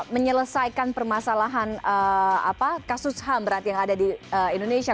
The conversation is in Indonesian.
menyelesaikan permasalahan kasus ham berat yang ada di indonesia